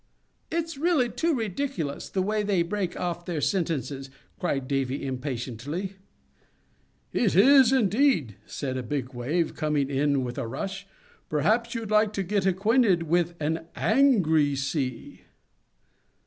"It's really too ridiculous, the way they break off their sentences!" cried Davy, impatiently. "Is it, indeed!" said a big Wave, coming in with a rush. "Perhaps you'd like to get acquainted with an angry sea!"